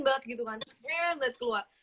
banget gitu kan pengen banget keluar